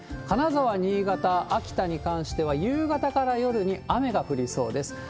金沢、新潟、秋田に関しては、夕方から夜に雨が降りそうです。